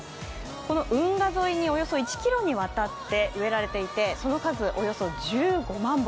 この運河沿いにおよそ１ｋｍにわたって植えられていてその数およそ１５万本。